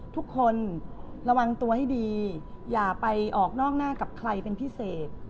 ทุกคนระวังตัวให้ดีอย่าไปออกนอกหน้ากับใครเป็นพิเศษ